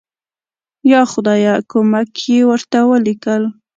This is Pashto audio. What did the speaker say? یا خدایه کومک یې ورته ولیکل.